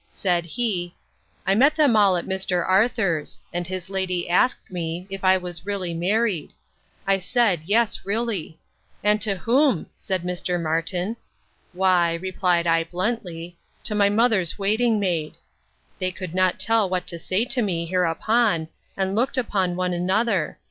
Said he, 'I met them all at Mr. Arthur's; and his lady asked me, if I was really married? I said, Yes, really. And to whom? said Mr. Martin. Why, replied I, bluntly, to my mother's waiting maid. They could not tell what to say to me hereupon, and looked one upon another.